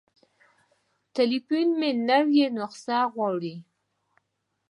تليفون مې نوې نسخه غواړي.